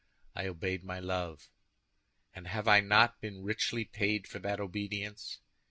I obeyed my love; and have I not been richly paid for that obedience?